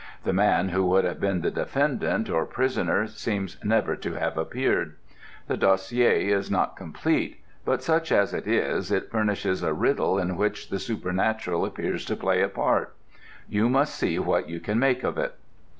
The man who would have been the defendant or prisoner seems never to have appeared. The dossier is not complete, but, such as it is, it furnishes a riddle in which the supernatural appears to play a part. You must see what you can make of it.